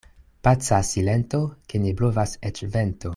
Paca silento, ke ne blovas eĉ vento.